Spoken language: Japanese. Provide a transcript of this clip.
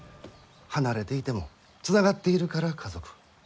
離れていてもつながっているから家族。